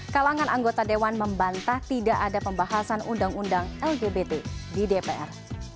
kalangan anggota dewan membantah tidak ada pembahasan undang undang lgbt di dpr